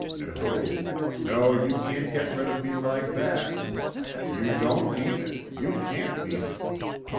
No, no, you can't get rid of me like that; you don't mean it, you can't mean it.